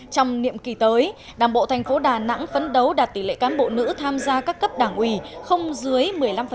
trong nhiệm kỳ tới đảng bộ thành phố đà nẵng phấn đấu đạt tỷ lệ cán bộ nữ tham gia các cấp đảng ủy không dưới một mươi năm